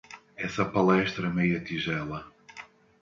Essa palestra meia-tigela